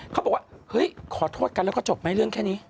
เขาบอกว่าเฮ้ยขอโทษกันแล้วก็จบไหมเรื่องแค่นี้